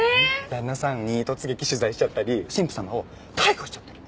旦那さんに突撃取材しちゃったり新婦様を逮捕しちゃったり。